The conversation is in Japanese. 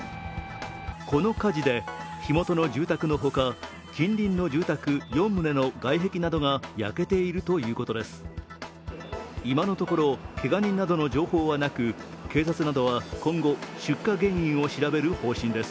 この火事で、火元の住宅のほか、近隣の住宅の４棟の外壁などが焼けているということです。